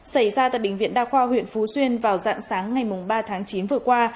xảy ra tại bệnh viện đa khoa huyện phú xuyên vào dạng sáng ngày ba tháng chín vừa qua